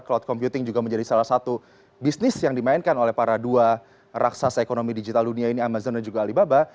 cloud computing juga menjadi salah satu bisnis yang dimainkan oleh para dua raksasa ekonomi digital dunia ini amazon dan juga alibaba